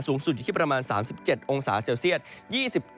สูงสุดอยู่ที่ประมาณ๓๗องศาเซลเซียต